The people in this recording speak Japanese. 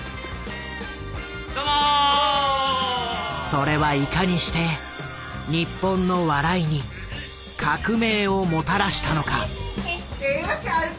それはいかにして日本の笑いに革命をもたらしたのか？